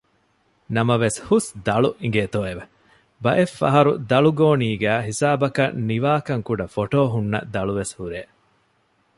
ނަމަވެސް ހުސް ދަޅު އިނގޭތޯއެވެ! ބައެއްފަހަރު ދަޅުގޯނީގައި ހިސާބަކަށް ނިވާކަންކުޑަ ފޮޓޯ ހުންނަ ދަޅުވެސް ހުރޭ